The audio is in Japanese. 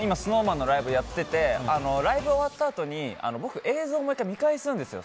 今、ＳｎｏｗＭａｎのライブをやっててライブが終わったあとに僕、映像を１回見返すんですよ。